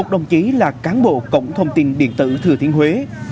một đồng chí là cán bộ cổng thông tin điện tử thừa thiên huế